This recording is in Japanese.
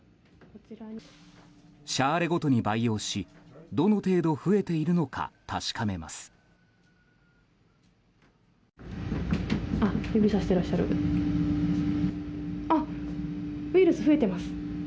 シャーレごとに培養しどの程度増えているのか確かめます。